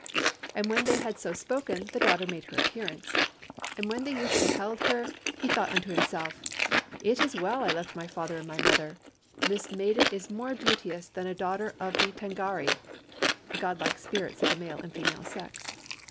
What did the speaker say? "And when they had so spoken, the daughter made her appearance. And when the youth beheld her, he thought unto himself, 'It is well I left my father and my mother. This maiden is more beauteous than a daughter of the Tângâri (god like spirits of the male and female sex).